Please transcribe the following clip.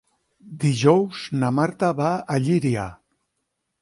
Dijous na Marta va a Llíria.